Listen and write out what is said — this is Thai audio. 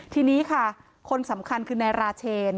ทีนี้ค่ะคนสำคัญคือนายราเชน